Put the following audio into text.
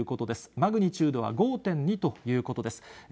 マグニチュードは５．２ということです。